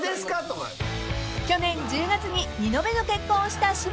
［去年１０月に２度目の結婚をした柴田さん］